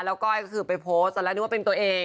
แล้วก้อยก็คือไปโพสต์ตอนแรกนึกว่าเป็นตัวเอง